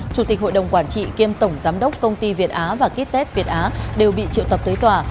chủ tịch hội đồng quản trị kiêm tổng giám đốc công ty việt á và kites việt á đều bị triệu tập tới tòa